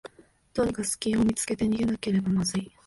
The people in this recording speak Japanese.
どうにかすきを見つけて逃げなければまずい